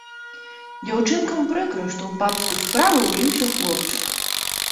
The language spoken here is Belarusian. Дзяўчынкам прыкра, што ў бабскую справу ўбіўся хлопчык.